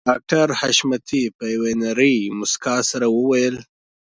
ډاکټر حشمتي په يوې نرۍ مسکا سره وويل